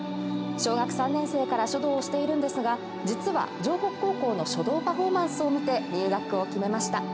小学３年生から書道をしているんですが実は城北高校の書道パフォーマンスを見て入学を決めました。